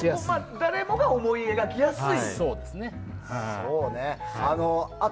誰もが思い描きやすいと。